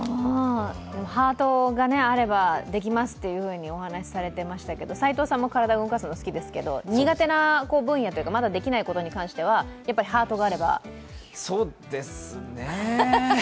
ハートがあればできますとお話しされていましたけど、齋藤さんも体を動かすのが好きっておっしゃってましたけど、苦手な分野というかまだできないことに関しては、そうですね。